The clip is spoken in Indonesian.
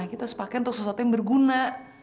kita harus pakai untuk sesuatu yang berguna